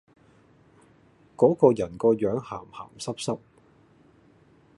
果個人個樣鹹鹹濕濕